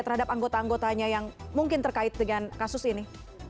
terhadap anggota anggotanya yang mungkin terkait dengan kasus ini